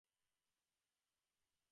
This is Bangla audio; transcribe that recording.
আমি অবাক হয়ে মেয়েটির দিকে তাকিয়ে আছি।